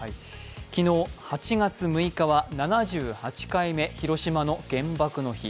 昨日８月６日は７８回目広島の原爆の日。